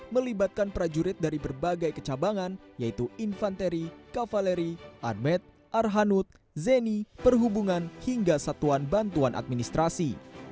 melibatkan prajurit dari berbagai kecabangan yaitu infanteri kavaleri armet arhanud zeni perhubungan hingga satuan bantuan administrasi